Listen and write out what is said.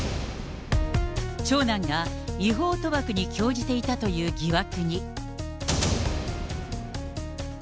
長男が違法賭博に興じていたという疑惑に。